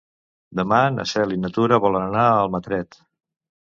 Demà na Cel i na Tura volen anar a Almatret.